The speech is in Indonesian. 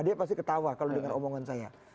dia pasti ketawa kalau dengar omongan saya